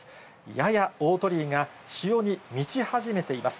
やや大鳥居が潮に満ち始めています。